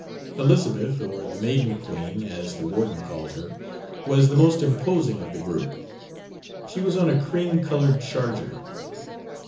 Elizabeth, or the "Maiden Queen," as the warden called her, was the most imposing of the group; she was on a cream coloured charger.